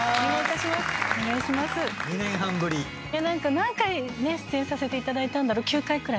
何か何回出演させていただいたんだろう？